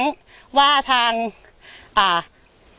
สวัสดีครับทุกคน